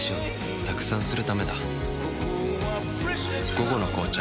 「午後の紅茶」